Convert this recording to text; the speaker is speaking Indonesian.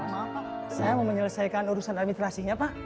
maaf pak saya mau menyelesaikan urusan administrasinya pak